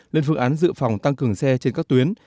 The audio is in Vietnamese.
lên phương án dự phòng tăng cường xe trên các tuyến